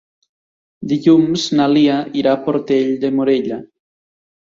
Dilluns na Lia irà a Portell de Morella.